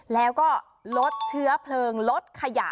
แล้วก็ลดเชื้อเพลิงลดขยะ